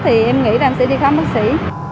thì em nghĩ là em sẽ đi khám bác sĩ